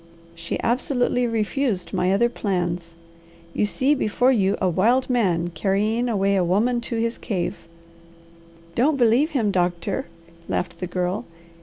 She absolutely refused my other plans. You see before you a wild man carrying away a woman to his cave." "Don't believe him, Doctor!" laughed the Girl.